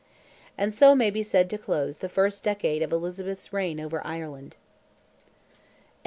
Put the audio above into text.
And so may be said to close the first decade of Elizabeth's reign over Ireland!